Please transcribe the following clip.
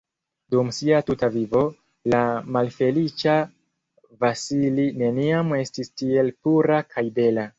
Dum sia tuta vivo, la malfeliĉa Vasili neniam estis tiel pura kaj bela.